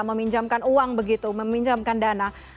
meminjamkan uang begitu meminjamkan dana